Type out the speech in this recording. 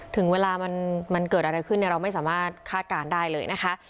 ถึงเวลามันเกิดอะไรขึ้นเราไม่สามารถคาดการณ์ได้เลยนะคะ